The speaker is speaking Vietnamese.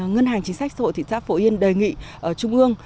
ngân hàng chính sách xã hội thị xã phổ yên đề nghị trung ương